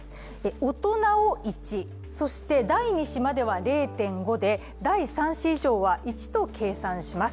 大人を１、第２子までは０．５で第３子以上は１と計算します。